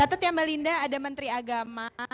katet ya melinda ada menteri agama